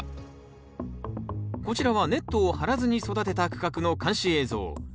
こちらはネットを張らずに育てた区画の監視映像。